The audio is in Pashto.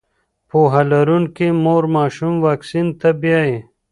پوهه لرونکې مور ماشوم واکسین ته بیايي.